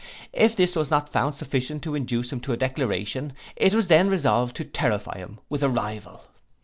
If this was not found sufficient to induce him to a declaration, it was then resolved to terrify him with a rival.